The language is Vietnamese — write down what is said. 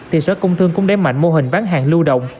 thì sở công thương cũng đẩy mạnh mô hình bán hàng lưu động